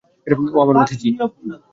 ও আমার ভাতিজি।